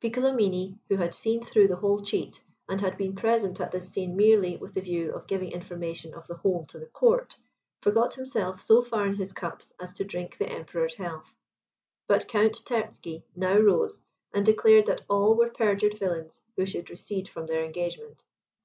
Piccolomini, who had seen through the whole cheat, and had been present at this scene merely with the view of giving information of the whole to the court, forgot himself so far in his cups as to drink the Emperor's health. But Count Terzky now rose, and declared that all were perjured villains who should recede from their engagement.